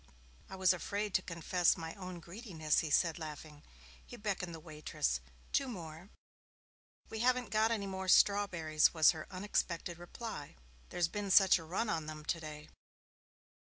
'I was afraid to confess my own greediness,' he said, laughing. He beckoned the waitress. 'Two more.' 'We haven't got any more strawberries,' was her unexpected reply. 'There's been such a run on them today.'